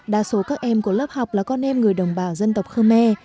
đa số các em của lớp học là con em người đồng bào dân tộc khơ me